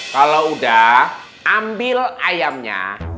kalau udah ambil ayamnya